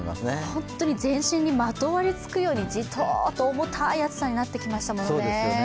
本当に全身にまとわりつくように、じとっと重たい暑さになってきましたもんね。